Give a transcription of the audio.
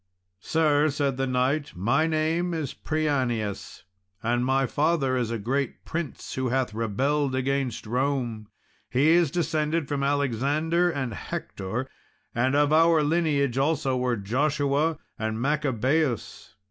"Sir," said the knight, "my name is Prianius, and my father is a great prince, who hath rebelled against Rome. He is descended from Alexander and Hector, and of our lineage also were Joshua and Maccabaeus.